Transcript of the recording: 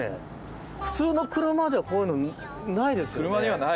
普通の車ではこういうのないですよね。